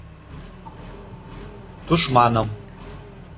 Тушманым.